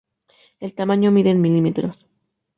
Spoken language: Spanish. El tamaño se mide en milímetros.